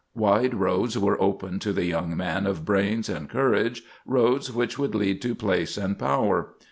Wide roads were open to the young man of brains and courage, roads which would lead to place and power.